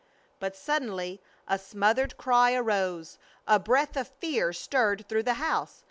But suddenly a smothered cry arose. A breath of fear stirred through the house.